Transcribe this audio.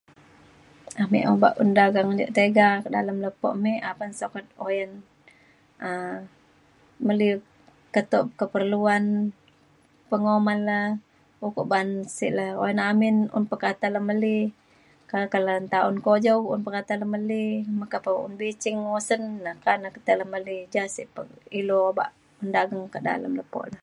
ame obak un dageng ia' tiga ka dalem lepo me apan sukat oyan um meli keto keperluan penguman le ukok ban sik le oyan amin un pekata lu meli oka le nta kujau un peketa lu meli meka pa un bicing usen na ka tei kata le meli ja sek pa ilu obak dageng ka dalem lepo le